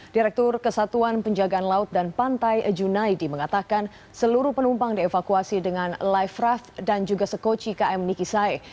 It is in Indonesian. direktur kesatuan penjagaan laut dan pantai junai di mengatakan seluruh penumpang dievakuasi dengan life raft dan juga sekoci km nikisai